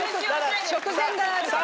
食前があるからね。